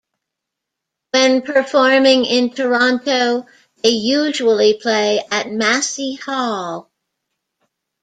When performing in Toronto, they usually play at Massey Hall.